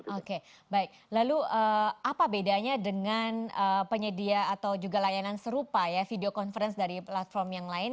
oke baik lalu apa bedanya dengan penyedia atau juga layanan serupa ya video conference dari platform yang lain